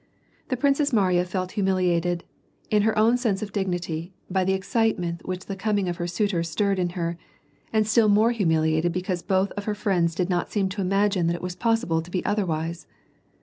The Princess Mariya felt humiliated, in her own sense of dignity, by the ex citement which the coming of her suitor birred in her, and still more humiliated because both of her friends did not seem to imagine tjiat it was possible to be otherwise.